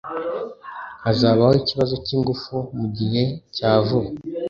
hazabaho ikibazo cyingufu mugihe cya vuba